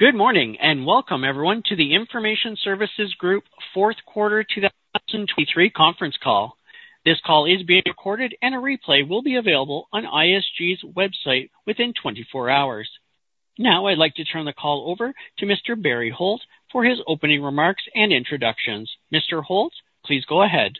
Good morning and welcome, everyone, to the Information Services Group fourth quarter 2023 conference call. This call is being recorded and a replay will be available on ISG's website within 24 hours. Now I'd like to turn the call over to Mr. Barry Holt for his opening remarks and introductions. Mr. Holt, please go ahead.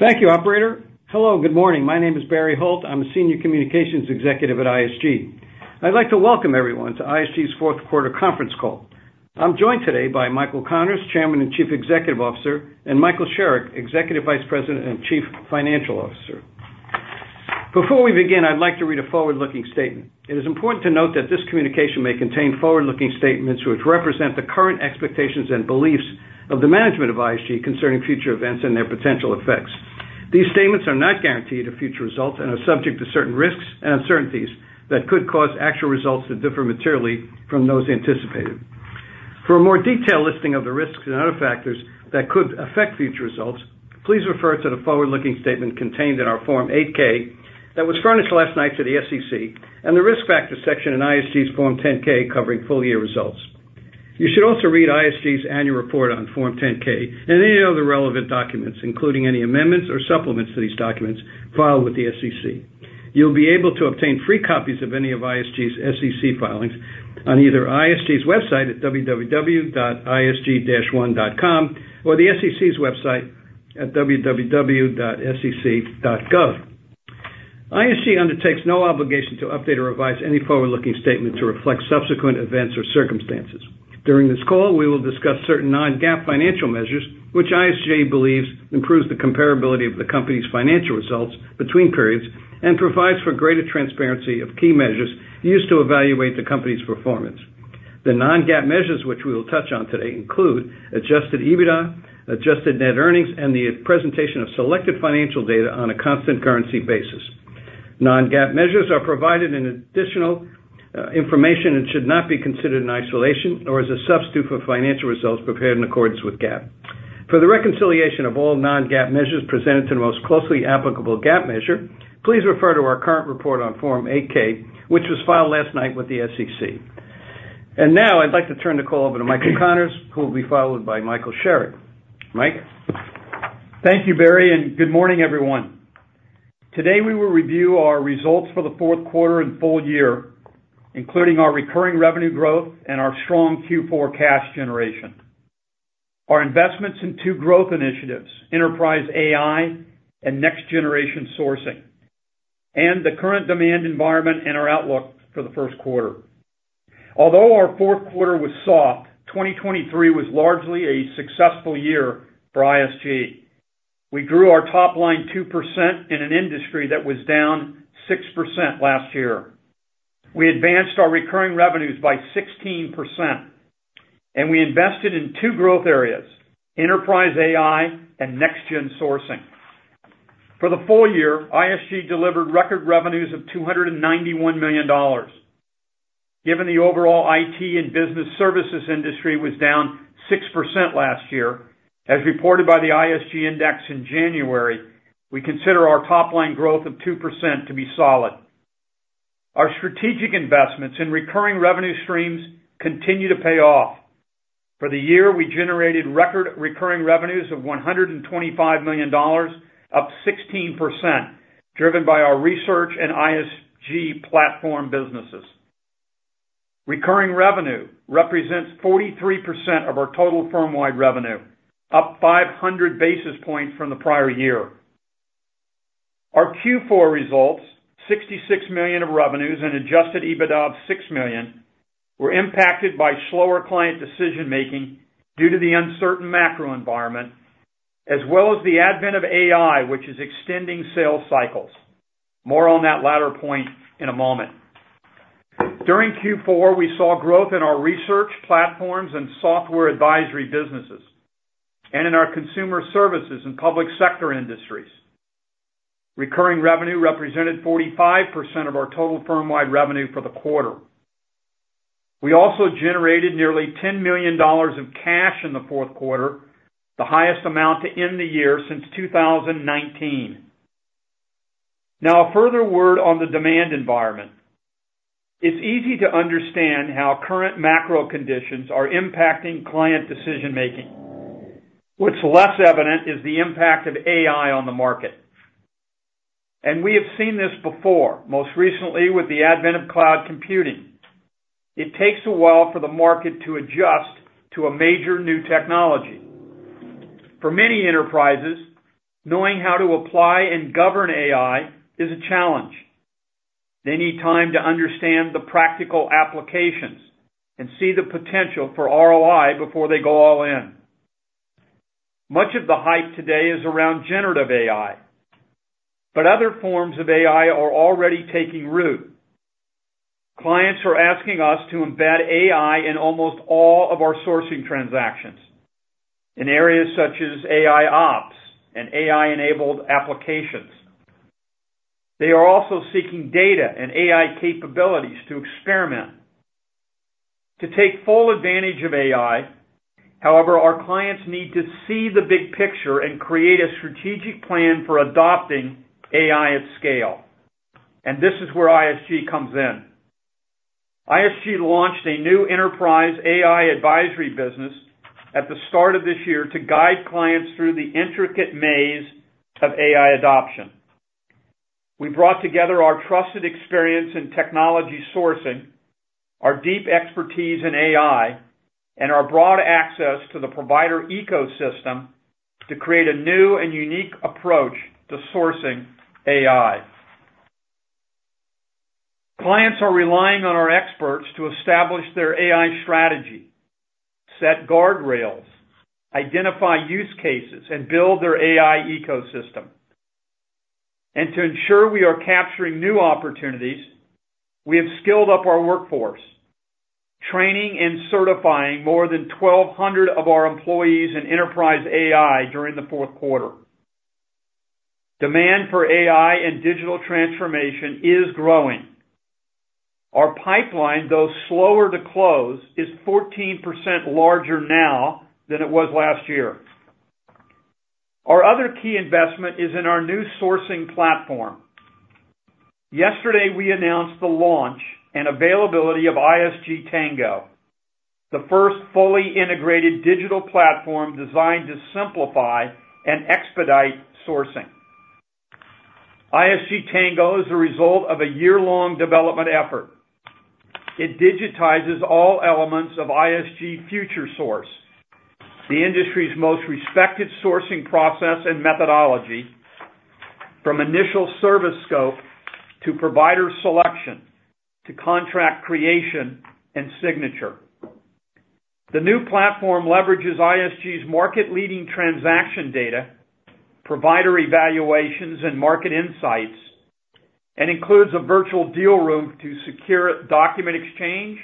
Thank you, Operator. Hello, good morning. My name is Barry Holt. I'm a senior communications executive at ISG. I'd like to welcome everyone to ISG's fourth quarter conference call. I'm joined today by Michael Connors, Chairman and Chief Executive Officer, and Michael Sherrick, Executive Vice President and Chief Financial Officer. Before we begin, I'd like to read a forward-looking statement. It is important to note that this communication may contain forward-looking statements which represent the current expectations and beliefs of the management of ISG concerning future events and their potential effects. These statements are not guaranteed of future results and are subject to certain risks and uncertainties that could cause actual results to differ materially from those anticipated. For a more detailed listing of the risks and other factors that could affect future results, please refer to the forward-looking statement contained in our Form 8-K that was furnished last night to the SEC and the risk factors section in ISG's Form 10-K covering full-year results. You should also read ISG's annual report on Form 10-K and any other relevant documents, including any amendments or supplements to these documents, filed with the SEC. You'll be able to obtain free copies of any of ISG's SEC filings on either ISG's website at www.isg-one.com or the SEC's website at www.sec.gov. ISG undertakes no obligation to update or revise any forward-looking statement to reflect subsequent events or circumstances. During this call, we will discuss certain non-GAAP financial measures which ISG believes improves the comparability of the company's financial results between periods and provides for greater transparency of key measures used to evaluate the company's performance. The non-GAAP measures which we will touch on today include Adjusted EBITDA, Adjusted Net Earnings, and the presentation of selected financial data on a constant currency basis. Non-GAAP measures are provided in additional information and should not be considered in isolation or as a substitute for financial results prepared in accordance with GAAP. For the reconciliation of all non-GAAP measures presented to the most closely applicable GAAP measure, please refer to our current report on Form 8-K which was filed last night with the SEC. And now I'd like to turn the call over to Michael Connors who will be followed by Michael Sherrick. Mike? Thank you, Barry, and good morning, everyone. Today we will review our results for the fourth quarter and full year, including our recurring revenue growth and our strong Q4 cash generation, our investments in two growth initiatives, Enterprise AI and next-generation sourcing, and the current demand environment and our outlook for the first quarter. Although our fourth quarter was soft, 2023 was largely a successful year for ISG. We grew our top-line 2% in an industry that was down 6% last year. We advanced our recurring revenues by 16%, and we invested in two growth areas, Enterprise AI and next-gen sourcing. For the full year, ISG delivered record revenues of $291 million. Given the overall IT and business services industry was down 6% last year, as reported by the ISG Index in January, we consider our top-line growth of 2% to be solid. Our strategic investments in recurring revenue streams continue to pay off. For the year, we generated record recurring revenues of $125 million, up 16%, driven by our research and ISG platform businesses. Recurring revenue represents 43% of our total firm-wide revenue, up 500 basis points from the prior year. Our Q4 results, $66 million of revenues and Adjusted EBITDA of $6 million, were impacted by slower client decision-making due to the uncertain macro environment, as well as the advent of AI which is extending sales cycles. More on that latter point in a moment. During Q4, we saw growth in our research platforms and software advisory businesses and in our consumer services and public sector industries. Recurring revenue represented 45% of our total firm-wide revenue for the quarter. We also generated nearly $10 million of cash in the fourth quarter, the highest amount to end the year since 2019. Now, a further word on the demand environment. It's easy to understand how current macro conditions are impacting client decision-making. What's less evident is the impact of AI on the market. We have seen this before, most recently with the advent of cloud computing. It takes a while for the market to adjust to a major new technology. For many enterprises, knowing how to apply and govern AI is a challenge. They need time to understand the practical applications and see the potential for ROI before they go all in. Much of the hype today is around generative AI, but other forms of AI are already taking root. Clients are asking us to embed AI in almost all of our sourcing transactions, in areas such as AIOps and AI-enabled applications. They are also seeking data and AI capabilities to experiment. To take full advantage of AI, however, our clients need to see the big picture and create a strategic plan for adopting AI at scale. This is where ISG comes in. ISG launched a new enterprise AI advisory business at the start of this year to guide clients through the intricate maze of AI adoption. We brought together our trusted experience in technology sourcing, our deep expertise in AI, and our broad access to the provider ecosystem to create a new and unique approach to sourcing AI. Clients are relying on our experts to establish their AI strategy, set guardrails, identify use cases, and build their AI ecosystem. To ensure we are capturing new opportunities, we have skilled up our workforce, training and certifying more than 1,200 of our employees in enterprise AI during the fourth quarter. Demand for AI and digital transformation is growing. Our pipeline, though slower to close, is 14% larger now than it was last year. Our other key investment is in our new sourcing platform. Yesterday, we announced the launch and availability of ISG Tango, the first fully integrated digital platform designed to simplify and expedite sourcing. ISG Tango is the result of a year-long development effort. It digitizes all elements of ISG FutureSource, the industry's most respected sourcing process and methodology, from initial service scope to provider selection to contract creation and signature. The new platform leverages ISG's market-leading transaction data, provider evaluations, and market insights, and includes a virtual deal room to secure document exchange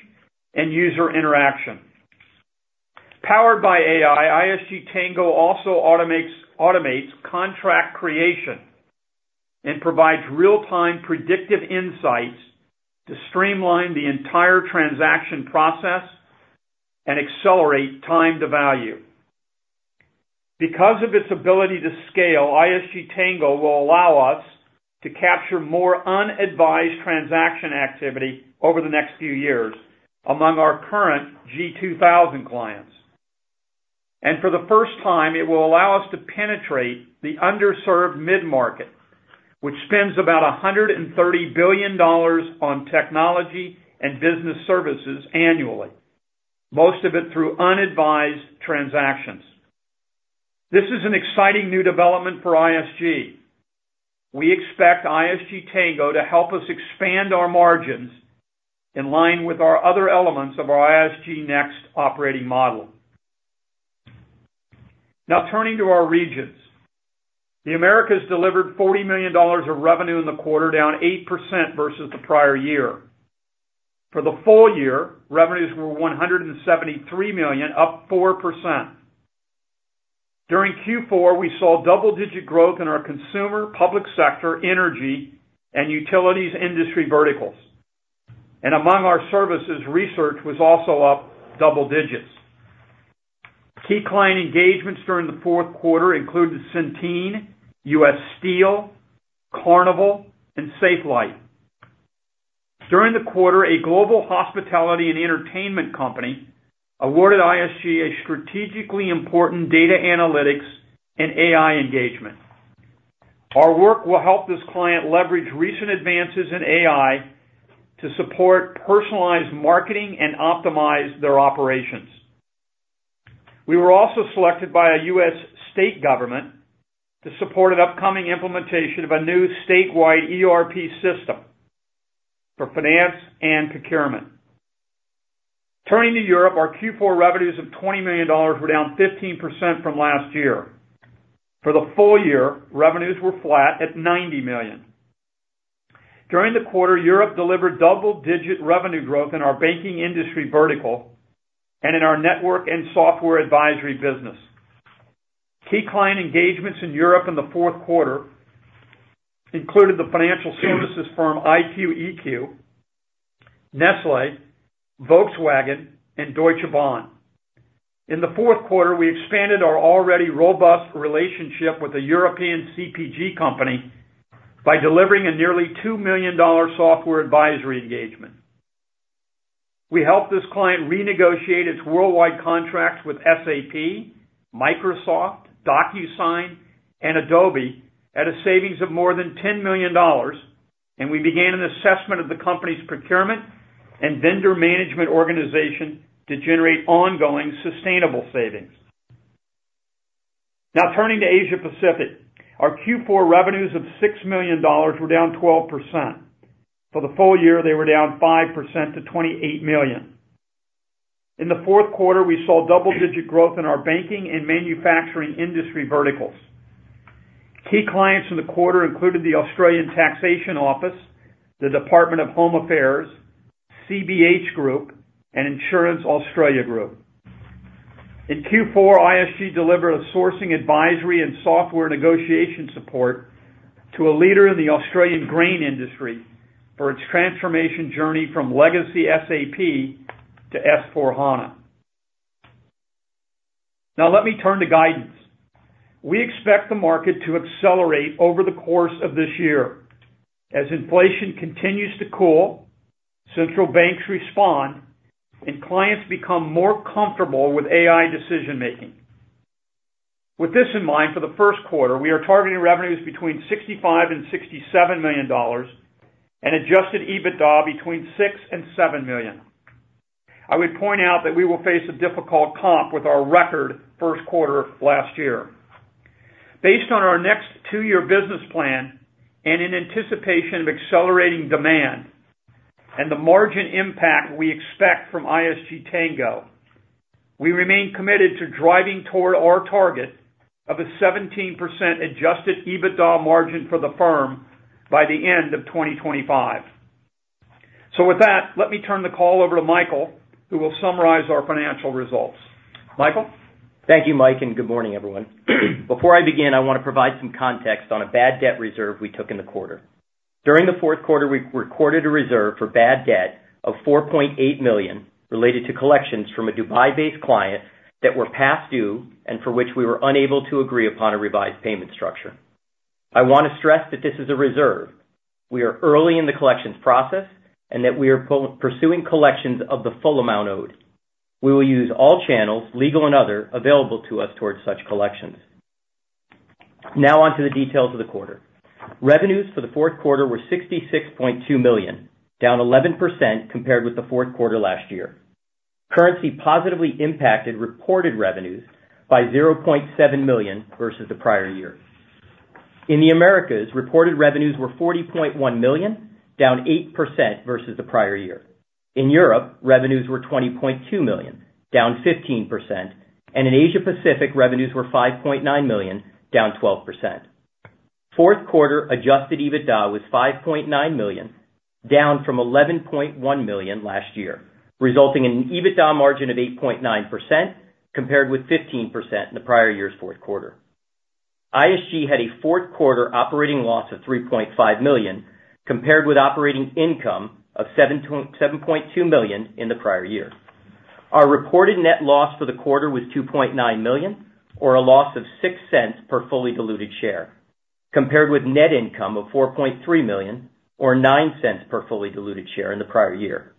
and user interaction. Powered by AI, ISG Tango also automates contract creation and provides real-time predictive insights to streamline the entire transaction process and accelerate time to value. Because of its ability to scale, ISG Tango will allow us to capture more unadvised transaction activity over the next few years among our current G2000 clients. And for the first time, it will allow us to penetrate the underserved mid-market, which spends about $130 billion on technology and business services annually, most of it through unadvised transactions. This is an exciting new development for ISG. We expect ISG Tango to help us expand our margins in line with our other elements of our ISG Next operating model. Now, turning to our regions. The Americas delivered $40 million of revenue in the quarter, down 8% versus the prior year. For the full year, revenues were $173 million, up 4%. During Q4, we saw double-digit growth in our consumer, public sector, energy, and utilities industry verticals. And among our services, research was also up double digits. Key client engagements during the fourth quarter included Centene, U.S. Steel, Carnival, and Safelite. During the quarter, a global hospitality and entertainment company awarded ISG a strategically important data analytics and AI engagement. Our work will help this client leverage recent advances in AI to support personalized marketing and optimize their operations. We were also selected by a U.S. state government to support an upcoming implementation of a new statewide ERP system for finance and procurement. Turning to Europe, our Q4 revenues of $20 million were down 15% from last year. For the full year, revenues were flat at $90 million. During the quarter, Europe delivered double-digit revenue growth in our banking industry vertical and in our network and software advisory business. Key client engagements in Europe in the fourth quarter included the financial services firm IQ-EQ, Nestlé, Volkswagen, and Deutsche Bahn. In the fourth quarter, we expanded our already robust relationship with a European CPG company by delivering a nearly $2 million software advisory engagement. We helped this client renegotiate its worldwide contracts with SAP, Microsoft, DocuSign, and Adobe at a savings of more than $10 million, and we began an assessment of the company's procurement and vendor management organization to generate ongoing, sustainable savings. Now, turning to Asia-Pacific. Our Q4 revenues of $6 million were down 12%. For the full year, they were down 5% to $28 million. In the fourth quarter, we saw double-digit growth in our banking and manufacturing industry verticals. Key clients in the quarter included the Australian Taxation Office, the Department of Home Affairs, CBH Group, and Insurance Australia Group. In Q4, ISG delivered a sourcing advisory and software negotiation support to a leader in the Australian grain industry for its transformation journey from legacy SAP to S/4HANA. Now, let me turn to guidance. We expect the market to accelerate over the course of this year. As inflation continues to cool, central banks respond, and clients become more comfortable with AI decision-making. With this in mind, for the first quarter, we are targeting revenues between $65 and $67 million and adjusted EBITDA between $6 and $7 million. I would point out that we will face a difficult comp with our record first quarter of last year. Based on our next two-year business plan and in anticipation of accelerating demand and the margin impact we expect from ISG Tango, we remain committed to driving toward our target of a 17% adjusted EBITDA margin for the firm by the end of 2025. With that, let me turn the call over to Michael who will summarize our financial results. Michael? Thank you, Mike, and good morning, everyone. Before I begin, I want to provide some context on a bad debt reserve we took in the quarter. During the fourth quarter, we recorded a reserve for bad debt of $4.8 million related to collections from a Dubai-based client that were past due and for which we were unable to agree upon a revised payment structure. I want to stress that this is a reserve. We are early in the collections process and that we are pursuing collections of the full amount owed. We will use all channels, legal and other, available to us towards such collections. Now onto the details of the quarter. Revenues for the fourth quarter were $66.2 million, down 11% compared with the fourth quarter last year. Currency positively impacted reported revenues by $0.7 million versus the prior year. In the Americas, reported revenues were $40.1 million, down 8% versus the prior year. In Europe, revenues were $20.2 million, down 15%, and in Asia-Pacific, revenues were $5.9 million, down 12%. Fourth quarter adjusted EBITDA was $5.9 million, down from $11.1 million last year, resulting in an EBITDA margin of 8.9% compared with 15% in the prior year's fourth quarter. ISG had a fourth quarter operating loss of $3.5 million compared with operating income of $7.2 million in the prior year. Our reported net loss for the quarter was $2.9 million, or a loss of $0.06 per fully diluted share, compared with net income of $4.3 million, or $0.09 per fully diluted share in the prior year.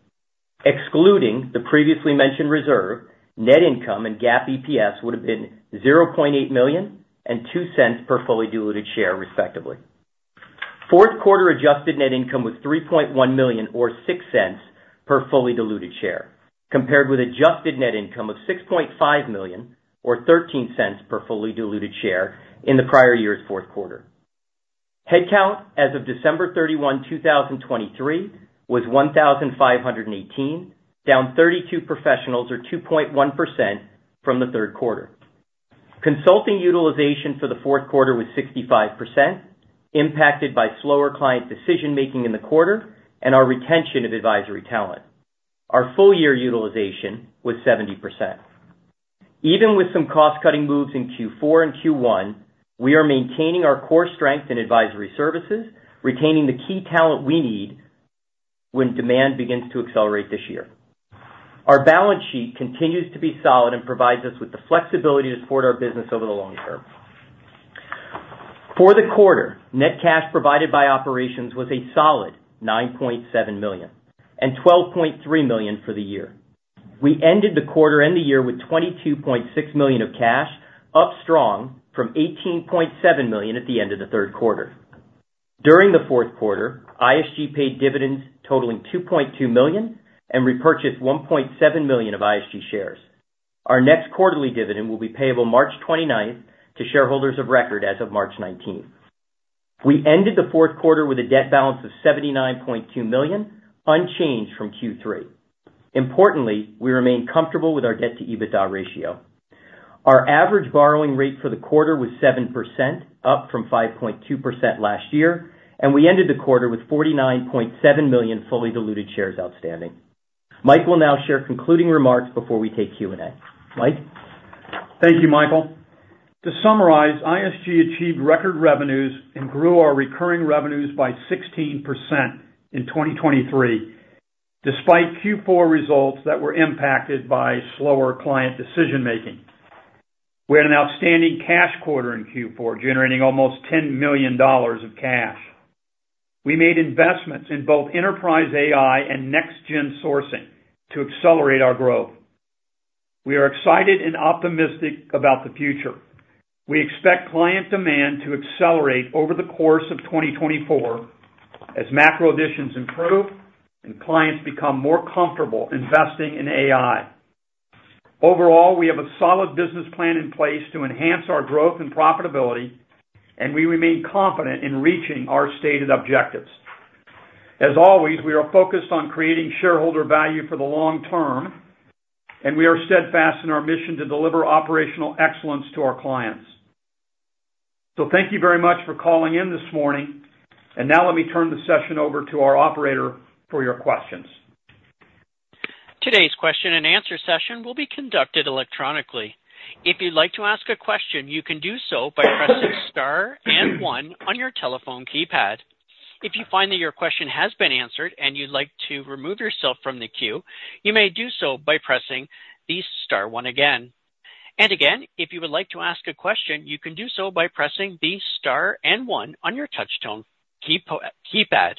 Excluding the previously mentioned reserve, net income and GAAP EPS would have been $0.8 million and $0.02 per fully diluted share, respectively. Fourth quarter adjusted net income was $3.1 million, or $0.06 per fully diluted share, compared with adjusted net income of $6.5 million, or $0.13 per fully diluted share in the prior year's fourth quarter. Headcount as of December 31, 2023, was 1,518, down 32 professionals, or 2.1%, from the third quarter. Consulting utilization for the fourth quarter was 65%, impacted by slower client decision-making in the quarter and our retention of advisory talent. Our full-year utilization was 70%. Even with some cost-cutting moves in Q4 and Q1, we are maintaining our core strength in advisory services, retaining the key talent we need when demand begins to accelerate this year. Our balance sheet continues to be solid and provides us with the flexibility to support our business over the long term. For the quarter, net cash provided by operations was a solid $9.7 million and $12.3 million for the year. We ended the quarter and the year with $22.6 million of cash, up strong from $18.7 million at the end of the third quarter. During the fourth quarter, ISG paid dividends totaling $2.2 million and repurchased $1.7 million of ISG shares. Our next quarterly dividend will be payable March 29th to shareholders of record as of March 19th. We ended the fourth quarter with a debt balance of $79.2 million, unchanged from Q3. Importantly, we remain comfortable with our debt-to-EBITDA ratio. Our average borrowing rate for the quarter was 7%, up from 5.2% last year, and we ended the quarter with $49.7 million fully diluted shares outstanding. Mike will now share concluding remarks before we take Q&A. Mike? Thank you, Michael. To summarize, ISG achieved record revenues and grew our recurring revenues by 16% in 2023 despite Q4 results that were impacted by slower client decision-making. We had an outstanding cash quarter in Q4, generating almost $10 million of cash. We made investments in both enterprise AI and next-gen sourcing to accelerate our growth. We are excited and optimistic about the future. We expect client demand to accelerate over the course of 2024 as macro conditions improve and clients become more comfortable investing in AI. Overall, we have a solid business plan in place to enhance our growth and profitability, and we remain confident in reaching our stated objectives. As always, we are focused on creating shareholder value for the long term, and we are steadfast in our mission to deliver operational excellence to our clients. Thank you very much for calling in this morning, and now let me turn the session over to our operator for your questions. Today's question and answer session will be conducted electronically. If you'd like to ask a question, you can do so by pressing star and one on your telephone keypad. If you find that your question has been answered and you'd like to remove yourself from the queue, you may do so by pressing the star one again. Again, if you would like to ask a question, you can do so by pressing the star and one on your touchtone keypad,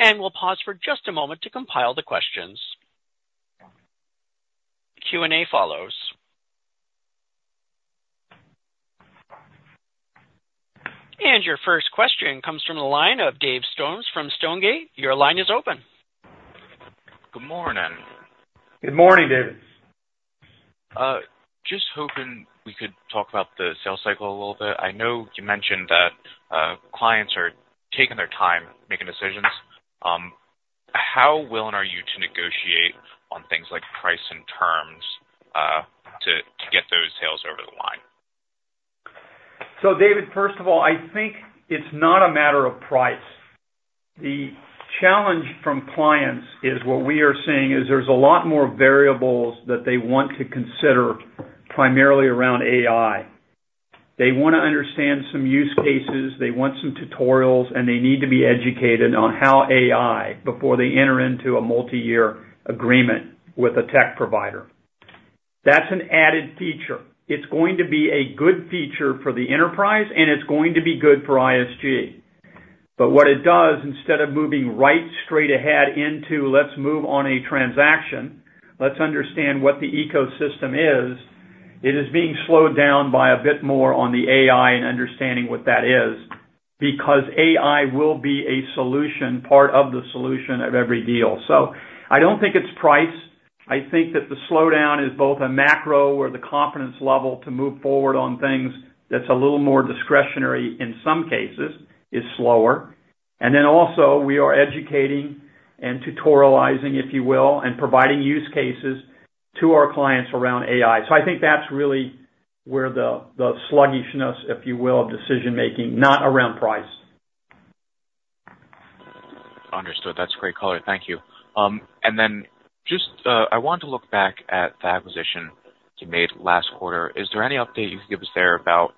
and we'll pause for just a moment to compile the questions. Q&A follows. Your first question comes from the line of David Storms from Stonegate. Your line is open. Good morning. Good morning, David. Just hoping we could talk about the sales cycle a little bit. I know you mentioned that clients are taking their time making decisions. How willing are you to negotiate on things like price and terms to get those sales over the line? So David, first of all, I think it's not a matter of price. The challenge from clients is what we are seeing is there's a lot more variables that they want to consider primarily around AI. They want to understand some use cases. They want some tutorials, and they need to be educated on how AI before they enter into a multi-year agreement with a tech provider. That's an added feature. It's going to be a good feature for the enterprise, and it's going to be good for ISG. But what it does, instead of moving right straight ahead into, "Let's move on a transaction. Let's understand what the ecosystem is," it is being slowed down by a bit more on the AI and understanding what that is because AI will be a solution, part of the solution of every deal. So I don't think it's price. I think that the slowdown is both a macro, or the confidence level to move forward on things that's a little more discretionary in some cases, is slower. And then also, we are educating and tutorializing, if you will, and providing use cases to our clients around AI. So I think that's really where the sluggishness, if you will, of decision-making, not around price. Understood. That's great, caller. Thank you. And then just I wanted to look back at the acquisition you made last quarter. Is there any update you could give us there about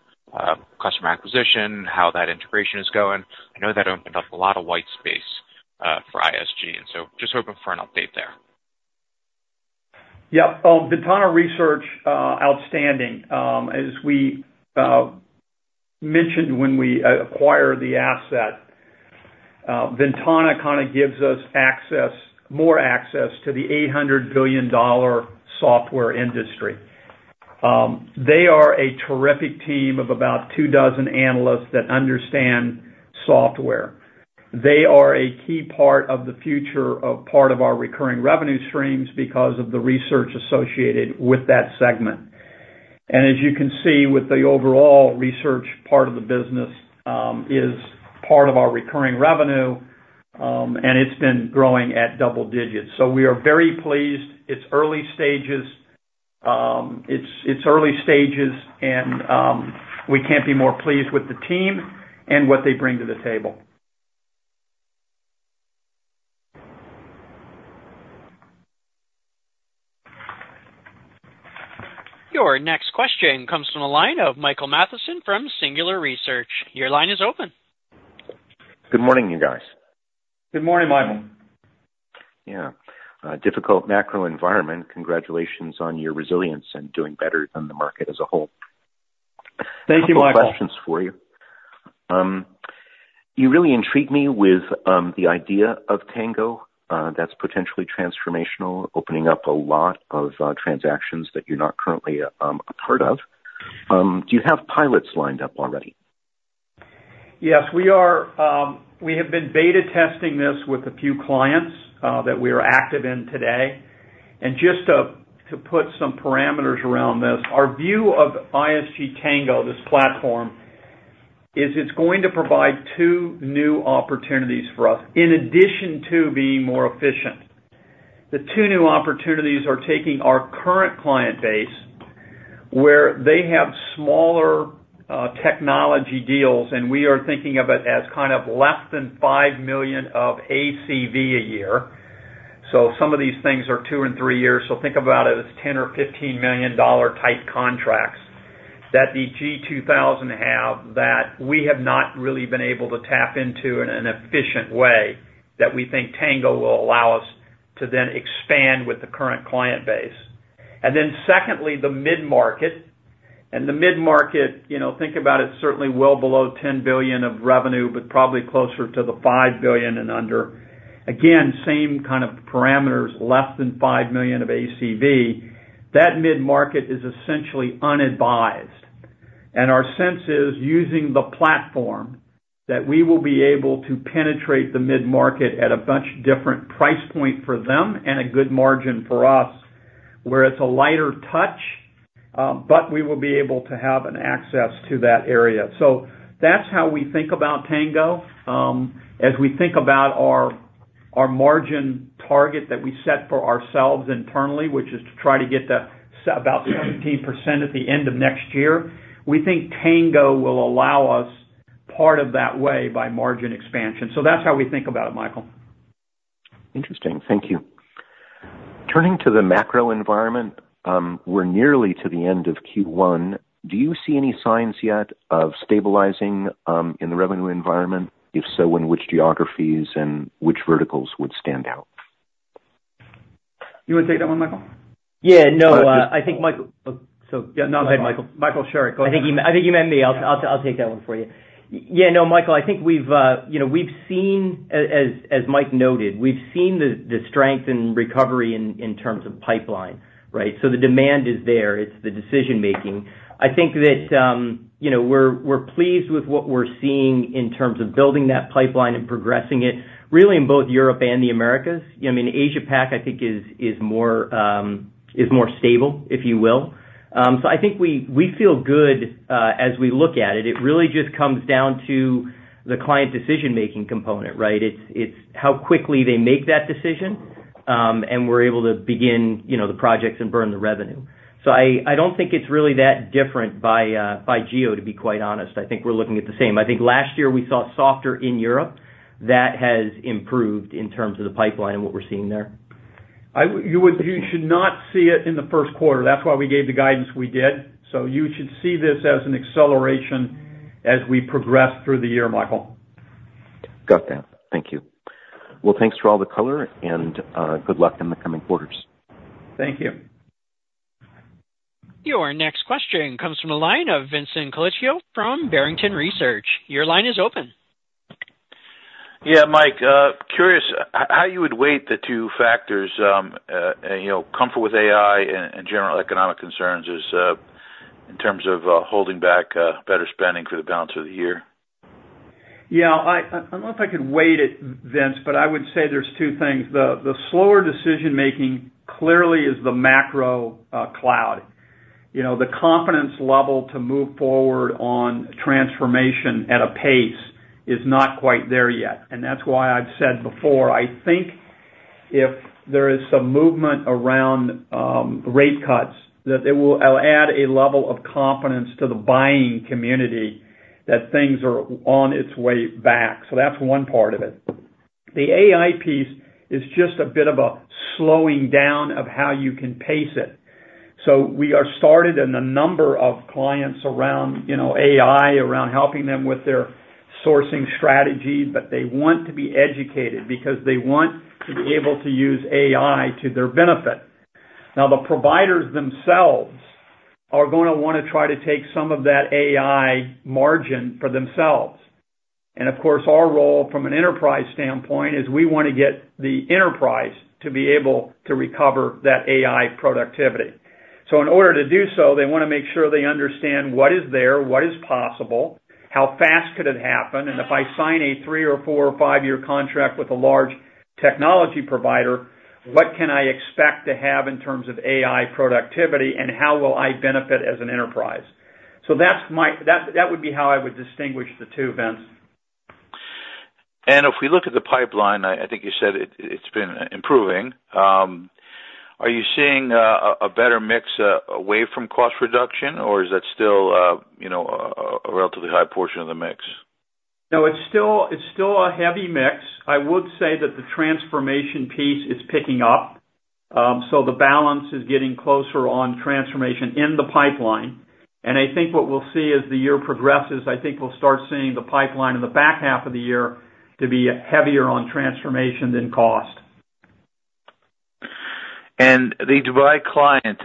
customer acquisition, how that integration is going? I know that opened up a lot of white space for ISG, and so just hoping for an update there. Yep. Ventana Research, outstanding. As we mentioned when we acquired the asset, Ventana kind of gives us more access to the $800 billion software industry. They are a terrific team of about two dozen analysts that understand software. They are a key part of the future of part of our recurring revenue streams because of the research associated with that segment. And as you can see, with the overall research, part of the business is part of our recurring revenue, and it's been growing at double digits. So we are very pleased. It's early stages. It's early stages, and we can't be more pleased with the team and what they bring to the table. Your next question comes from the line of Michael Mathison from Singular Research. Your line is open. Good morning, you guys. Good morning, Michael. Yeah. Difficult macro environment. Congratulations on your resilience and doing better than the market as a whole. Thank you, Michael. A couple of questions for you. You really intrigued me with the idea of Tango that's potentially transformational, opening up a lot of transactions that you're not currently a part of. Do you have pilots lined up already? Yes, we are. We have been beta testing this with a few clients that we are active in today. And just to put some parameters around this, our view of ISG Tango, this platform, is it's going to provide two new opportunities for us in addition to being more efficient. The two new opportunities are taking our current client base where they have smaller technology deals, and we are thinking of it as kind of less than $5 million of ACV a year. So some of these things are two and three years. So think about it as $10 or $15 million type contracts that the G2000 have that we have not really been able to tap into in an efficient way that we think Tango will allow us to then expand with the current client base. And then secondly, the mid-market. The mid-market, think about it certainly well below $10 billion of revenue but probably closer to the $5 billion and under. Again, same kind of parameters, less than $5 million of ACV. That mid-market is essentially unadvised. Our sense is using the platform that we will be able to penetrate the mid-market at a bunch different price point for them and a good margin for us where it's a lighter touch, but we will be able to have an access to that area. So that's how we think about Tango. As we think about our margin target that we set for ourselves internally, which is to try to get to about 17% at the end of next year, we think Tango will allow us part of that way by margin expansion. So that's how we think about it, Michael. Interesting. Thank you. Turning to the macro environment, we're nearly to the end of Q1. Do you see any signs yet of stabilizing in the revenue environment? If so, in which geographies and verticals would stand out? You want to take that one, Michael? Yeah. No, I think Michael. Oh, go ahead. Yeah, no, go ahead, Michael. Michael, sure. Go ahead. I think you meant me. I'll take that one for you. Yeah, no, Michael, I think we've seen as Mike noted, we've seen the strength and recovery in terms of pipeline, right? So the demand is there. It's the decision-making. I think that we're pleased with what we're seeing in terms of building that pipeline and progressing it, really in both Europe and the Americas. I mean, Asia-Pac, I think, is more stable, if you will. So I think we feel good as we look at it. It really just comes down to the client decision-making component, right? It's how quickly they make that decision, and we're able to begin the projects and burn the revenue. So I don't think it's really that different by geo, to be quite honest. I think we're looking at the same. I think last year, we saw softer in Europe. That has improved in terms of the pipeline and what we're seeing there. You should not see it in the first quarter. That's why we gave the guidance we did. So you should see this as an acceleration as we progress through the year, Michael. Got that. Thank you. Well, thanks for all the color, and good luck in the coming quarters. Thank you. Your next question comes from the line of Vincent Colicchio from Barrington Research. Your line is open. Yeah, Mike. Curious how you would weight the two factors, comfort with AI and general economic concerns in terms of holding back better spending for the balance of the year? Yeah, I don't know if I could weigh it, Vince, but I would say there are two things. The slower decision-making clearly is the macro cloud. The confidence level to move forward on transformation at a pace is not quite there yet. And that's why I've said before, I think if there is some movement around rate cuts, that it will add a level of confidence to the buying community that things are on its way back. So that's one part of it. The AI piece is just a bit of a slowing down of how you can pace it. So we are started in a number of clients around AI, around helping them with their sourcing strategy, but they want to be educated because they want to be able to use AI to their benefit. Now, the providers themselves are going to want to try to take some of that AI margin for themselves. And of course, our role from an enterprise standpoint is we want to get the enterprise to be able to recover that AI productivity. So in order to do so, they want to make sure they understand what is there, what is possible, how fast could it happen, and if I sign a three or four or five-year contract with a large technology provider, what can I expect to have in terms of AI productivity, and how will I benefit as an enterprise? So that would be how I would distinguish the two, Vince. If we look at the pipeline, I think you said it's been improving. Are you seeing a better mix away from cost reduction, or is that still a relatively high portion of the mix? No, it's still a heavy mix. I would say that the transformation piece is picking up. The balance is getting closer on transformation in the pipeline. I think what we'll see as the year progresses, I think we'll start seeing the pipeline in the back half of the year to be heavier on transformation than cost. The Dubai client,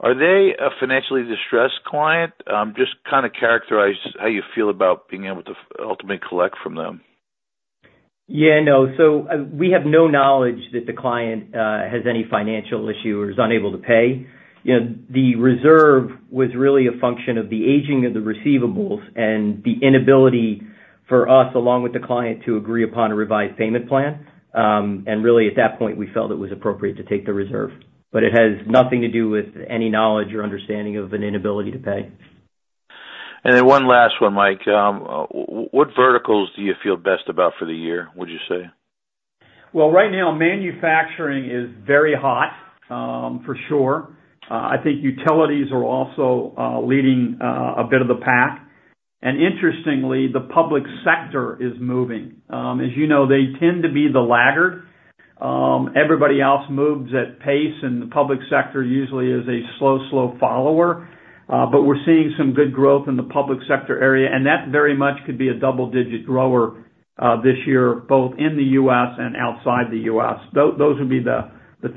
are they a financially distressed client? Just kind of characterize how you feel about being able to ultimately collect from them. Yeah, no. So we have no knowledge that the client has any financial issue or is unable to pay. The reserve was really a function of the aging of the receivables and the inability for us, along with the client, to agree upon a revised payment plan. And really, at that point, we felt it was appropriate to take the reserve. But it has nothing to do with any knowledge or understanding of an inability to pay. Then one last one, Mike. What verticals do you feel best about for the year, would you say? Well, right now, manufacturing is very hot, for sure. I think utilities are also leading a bit of the pack. And interestingly, the public sector is moving. As you know, they tend to be the laggard. Everybody else moves at pace, and the public sector usually is a slow, slow follower. But we're seeing some good growth in the public sector area, and that very much could be a double-digit grower this year, both in the U.S. and outside the U.S. Those would be the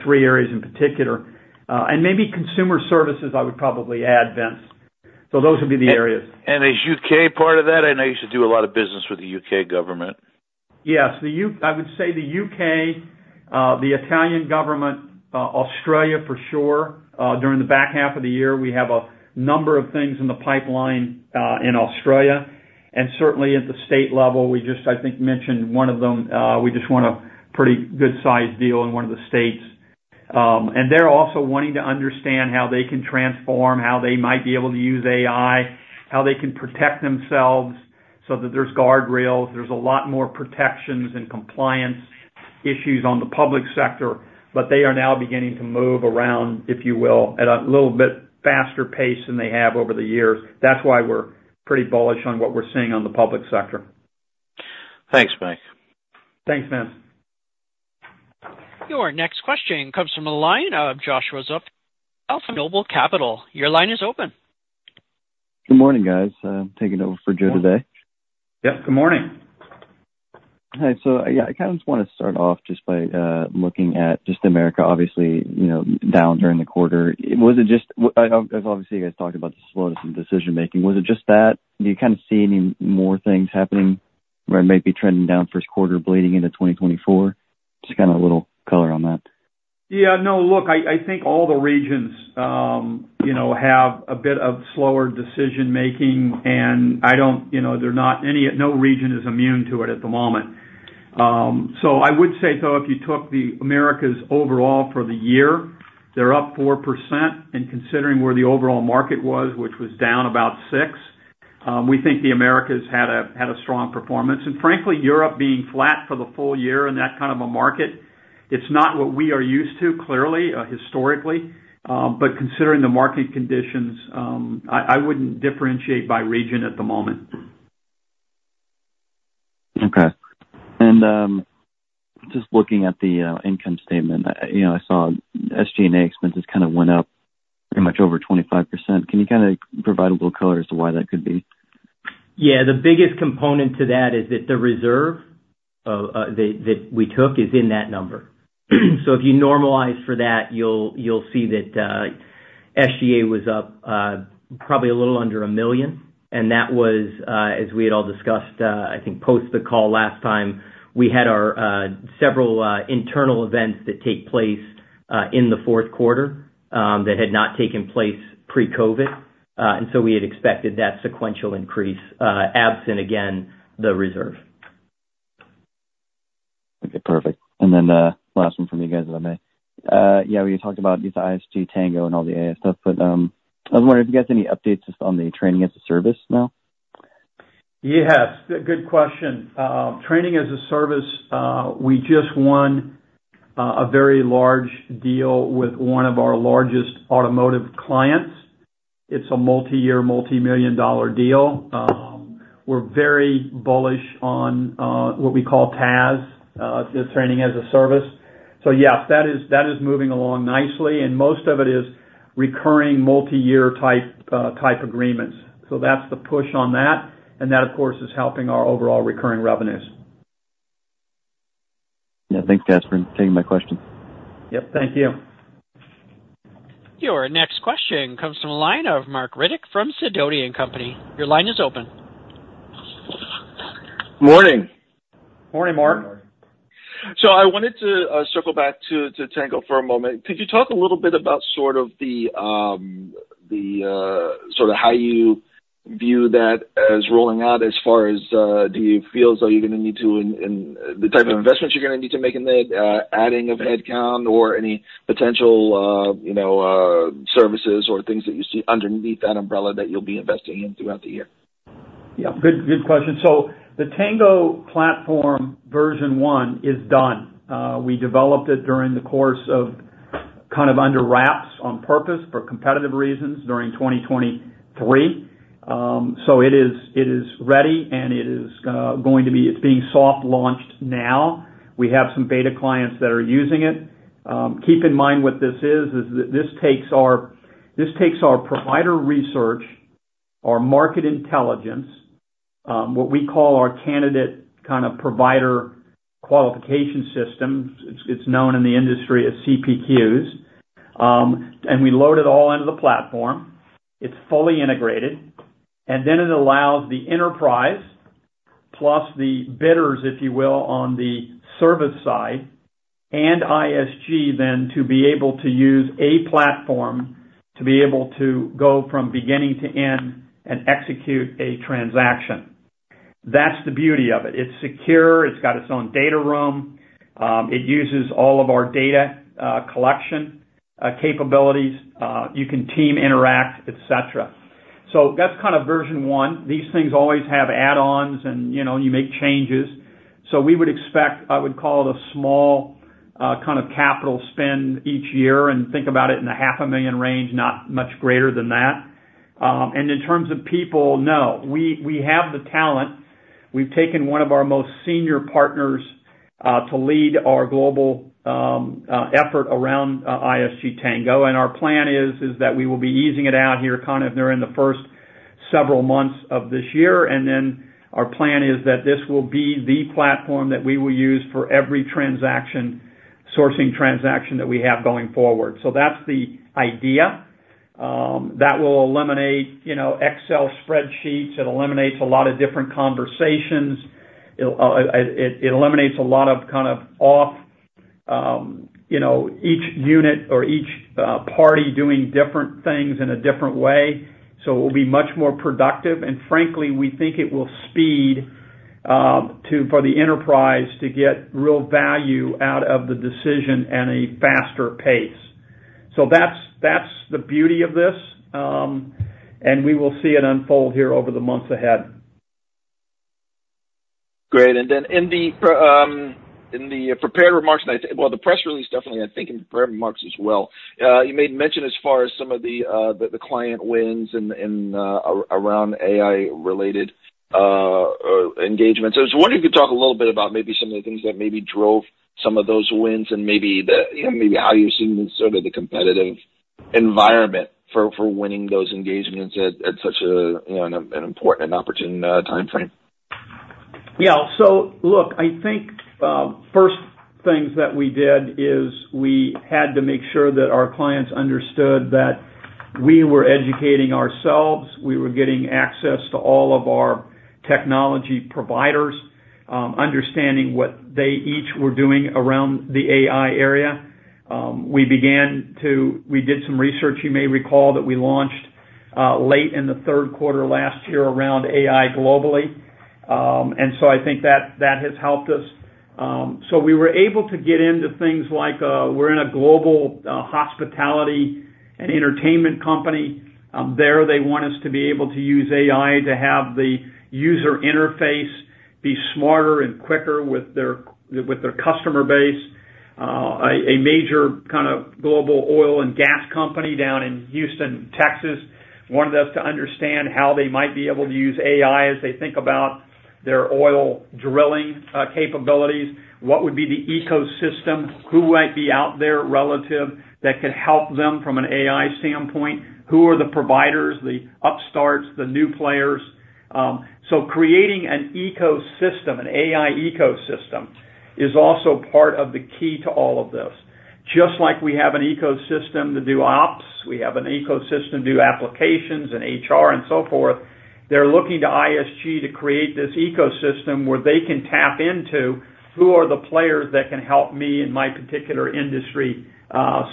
three areas in particular. And maybe consumer services, I would probably add, Vince. So those would be the areas. Is U.K. part of that? I know you used to do a lot of business with the UK government. Yes. I would say the U.K., the Italian government, Australia, for sure. During the back half of the year, we have a number of things in the pipeline in Australia. And certainly, at the state level, we just, I think, mentioned one of them. We just won a pretty good-sized deal in one of the states. And they're also wanting to understand how they can transform, how they might be able to use AI, how they can protect themselves so that there's guardrails. There's a lot more protections and compliance issues on the public sector, but they are now beginning to move around, if you will, at a little bit faster pace than they have over the years. That's why we're pretty bullish on what we're seeing on the public sector. Thanks, Mike. Thanks, Vince. Your next question comes from the line of Joshua Zoepfel, Noble Capital. Your line is open. Good morning, guys. Taking over for Joe today. Yep, good morning. Hi. So yeah, I kind of just want to start off just by looking at just Americas, obviously, down during the quarter. As obviously, you guys talked about the slowness in decision-making, was it just that? Do you kind of see any more things happening where it might be trending down first quarter, bleeding into 2024? Just kind of a little color on that. Yeah, no, look, I think all the regions have a bit of slower decision-making, and they're not any no region is immune to it at the moment. So I would say, though, if you took the Americas overall for the year, they're up 4%. And considering where the overall market was, which was down about 6%, we think the Americas had a strong performance. And frankly, Europe being flat for the full year in that kind of a market, it's not what we are used to, clearly, historically. But considering the market conditions, I wouldn't differentiate by region at the moment. Okay. Just looking at the income statement, I saw SG&A expenses kind of went up pretty much over 25%. Can you kind of provide a little color as to why that could be? Yeah, the biggest component to that is that the reserve that we took is in that number. So if you normalize for that, you'll see that SG&A was up probably a little under $1 million. That was, as we had all discussed, I think, post the call last time, we had several internal events that take place in the fourth quarter that had not taken place pre-COVID. So we had expected that sequential increase, absent, again, the reserve. Okay, perfect. And then last one from you guys, if I may. Yeah, we had talked about ISG Tango and all the AI stuff, but I was wondering if you guys have any updates just on the training as a service now? Yes, good question. Training as a service, we just won a very large deal with one of our largest automotive clients. It's a multi-year, multi-million dollars deal. We're very bullish on what we call TaaS, the training as a service. So yes, that is moving along nicely. Most of it is recurring multi-year type agreements. So that's the push on that. That, of course, is helping our overall recurring revenues. Yeah, thanks, guys, for taking my question. Yep, thank you. Your next question comes from the line of Marc Riddick from Sidoti & Company. Your line is open. Morning. Morning, Mark. So I wanted to circle back to Tango for a moment. Could you talk a little bit about sort of the sort of how you view that as rolling out as far as do you feel as though you're going to need to and the type of investments you're going to need to make in that, adding of headcount or any potential services or things that you see underneath that umbrella that you'll be investing in throughout the year? Yeah, good question. So the Tango platform, version one, is done. We developed it during the course of kind of under wraps on purpose for competitive reasons during 2023. So it is ready, and it is going to be—it's being soft-launched now. We have some beta clients that are using it. Keep in mind what this is, is that this takes our provider research, our market intelligence, what we call our candidate kind of provider qualification system. It's known in the industry as CPQs. And we load it all into the platform. It's fully integrated. And then it allows the enterprise plus the bidders, if you will, on the service side and ISG then to be able to use a platform to be able to go from beginning to end and execute a transaction. That's the beauty of it. It's secure. It's got its own data room. It uses all of our data collection capabilities. You can team interact, etc. So that's kind of version one. These things always have add-ons, and you make changes. So we would expect I would call it a small kind of capital spend each year and think about it in the $500,000 range, not much greater than that. And in terms of people, no, we have the talent. We've taken one of our most senior partners to lead our global effort around ISG Tango. And our plan is that we will be easing it out here kind of during the first several months of this year. And then our plan is that this will be the platform that we will use for every sourcing transaction that we have going forward. So that's the idea. That will eliminate Excel spreadsheets. It eliminates a lot of different conversations. It eliminates a lot of kind of off each unit or each party doing different things in a different way. So it will be much more productive. And frankly, we think it will speed for the enterprise to get real value out of the decision at a faster pace. So that's the beauty of this. And we will see it unfold here over the months ahead. Great. In the prepared remarks and well, the press release, definitely, I think, and prepared remarks as well, you made mention as far as some of the client wins around AI-related engagements. I was wondering if you could talk a little bit about maybe some of the things that maybe drove some of those wins and maybe how you're seeing sort of the competitive environment for winning those engagements at such an important and opportune timeframe? Yeah. So look, I think first things that we did is we had to make sure that our clients understood that we were educating ourselves. We were getting access to all of our technology providers, understanding what they each were doing around the AI area. We did some research. You may recall that we launched late in the third quarter last year around AI globally. And so I think that has helped us. So we were able to get into things like we're in a global hospitality and entertainment company. There, they want us to be able to use AI to have the user interface be smarter and quicker with their customer base. A major kind of global oil and gas company down in Houston, Texas, wanted us to understand how they might be able to use AI as they think about their oil drilling capabilities, what would be the ecosystem, who might be out there relative that could help them from an AI standpoint, who are the providers, the upstarts, the new players. So creating an ecosystem, an AI ecosystem, is also part of the key to all of this. Just like we have an ecosystem to do ops, we have an ecosystem to do applications and HR and so forth, they're looking to ISG to create this ecosystem where they can tap into who are the players that can help me in my particular industry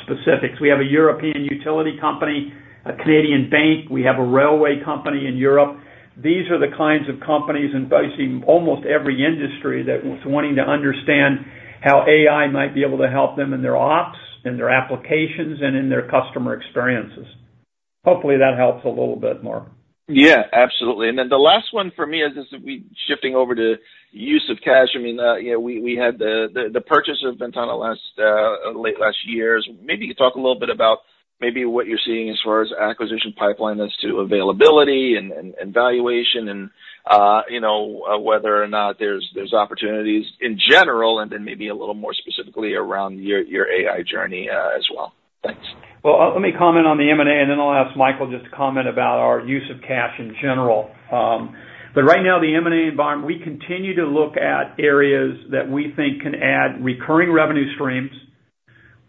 specifics. We have a European utility company, a Canadian bank. We have a railway company in Europe. These are the kinds of companies in basically almost every industry that's wanting to understand how AI might be able to help them in their ops and their applications and in their customer experiences. Hopefully, that helps a little bit more. Yeah, absolutely. And then the last one for me is shifting over to use of cash. I mean, we had the purchase of Ventana late last year. Maybe you could talk a little bit about maybe what you're seeing as far as acquisition pipeline as to availability and valuation and whether or not there's opportunities in general and then maybe a little more specifically around your AI journey as well. Thanks. Well, let me comment on the M&A, and then I'll ask Michael just to comment about our use of cash in general. But right now, the M&A environment, we continue to look at areas that we think can add recurring revenue streams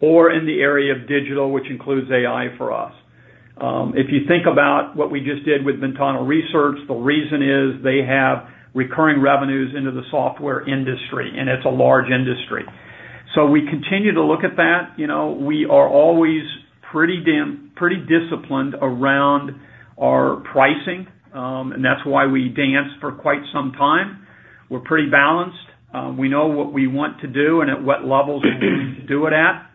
or in the area of digital, which includes AI for us. If you think about what we just did with Ventana Research, the reason is they have recurring revenues into the software industry, and it's a large industry. So we continue to look at that. We are always pretty disciplined around our pricing, and that's why we dance for quite some time. We're pretty balanced. We know what we want to do and at what levels we want to do it at.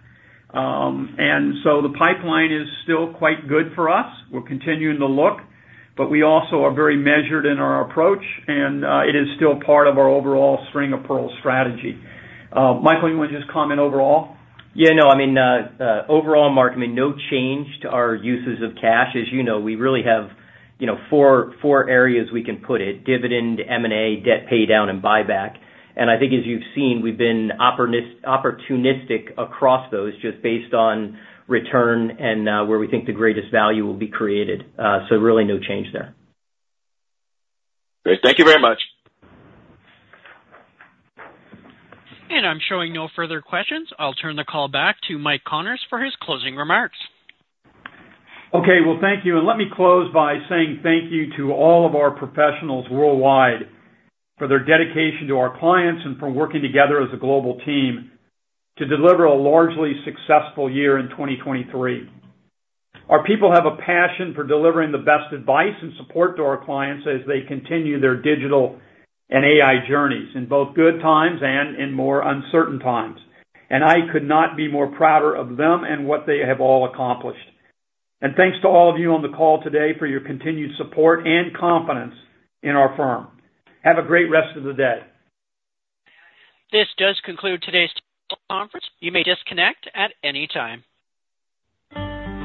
And so the pipeline is still quite good for us. We're continuing to look, but we also are very measured in our approach, and it is still part of our overall string-of-pearls strategy. Michael, you want to just comment overall? Yeah, no. I mean, overall, Mark, I mean, no change to our uses of cash. As you know, we really have four areas we can put it: dividend, M&A, debt paydown, and buyback. I think, as you've seen, we've been opportunistic across those just based on return and where we think the greatest value will be created. Really, no change there. Great. Thank you very much. I'm showing no further questions. I'll turn the call back to Mike Connors for his closing remarks. Okay, well, thank you. Let me close by saying thank you to all of our professionals worldwide for their dedication to our clients and for working together as a global team to deliver a largely successful year in 2023. Our people have a passion for delivering the best advice and support to our clients as they continue their digital and AI journeys in both good times and in more uncertain times. I could not be more prouder of them and what they have all accomplished. Thanks to all of you on the call today for your continued support and confidence in our firm. Have a great rest of the day. This does conclude today's conference. You may disconnect at any time.